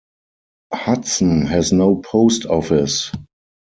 Hudson has no post office.